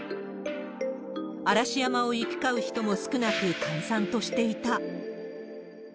嵐山を行き交う人も少なく、閑散としていた。